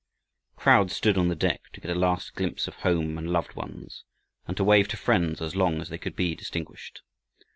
Crowds stood on the deck to get a last glimpse of home and loved ones, and to wave to friends as long as they could be distinguished.